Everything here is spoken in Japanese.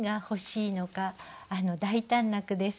大胆な句です。